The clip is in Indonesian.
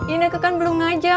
ineke kan belum ngajak